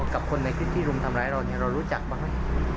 กับคนในคลิปที่รุมทำร้ายเราเนี่ยเรารู้จักบ้างไหม